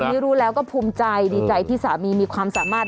อันนี้รู้แล้วก็ภูมิใจดีใจที่สามีมีความสามารถ